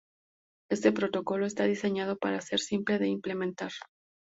Este protocolo está diseñado para ser simple de implementar.